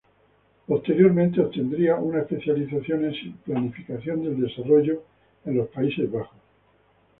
Posteriormente obtendría una especialización en planificación del desarrollo en los Países Bajos.